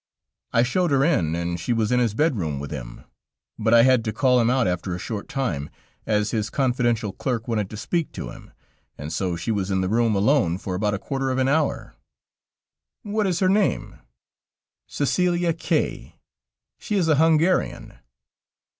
"I showed her in, and she was in his bedroom with him; but I had to call him out after a short time, as his confidential clerk wanted to speak to him, and so she was in the room alone for about a quarter of an hour." "What is her name?" "Cæcelia K ; she is a Hungarian."